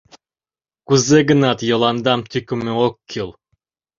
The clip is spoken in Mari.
Кузе-гынат Йыландам тӱкымӧ ок кӱл.